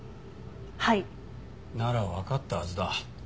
はい。ならわかったはずだ。